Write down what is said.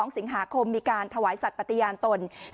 ๒สิงหาคมมีการถวายสัตว์ปฏิญาณตน